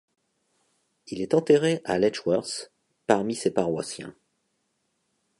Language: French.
Il est enterré à Letchworth, parmi ses paroissiens.